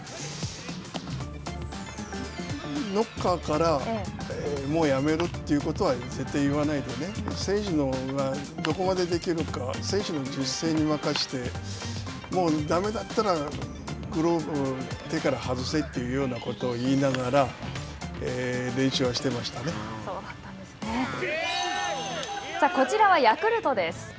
ノッカーからもうやめるっていうことは絶対言わないでね選手のほうがどこまでできるか、選手の自主性に任せてもうだめだったらグローブを手から外せというようなことを言いながらこちらはヤクルトです。